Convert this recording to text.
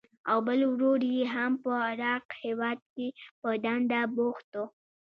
او بل ورور یې هم په عراق هېواد کې په دنده بوخت و.